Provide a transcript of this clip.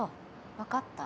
わかった。